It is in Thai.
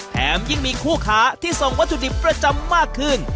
แถมยิ่งมีคู่ค้าที่ส่งวัตถุดิบประจำมากขึ้น